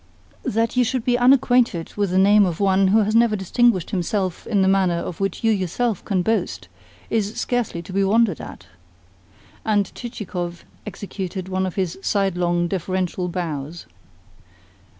"That you should be unacquainted with the name of one who has never distinguished himself in the manner of which you yourself can boast is scarcely to be wondered at." And Chichikov executed one of his sidelong, deferential bows.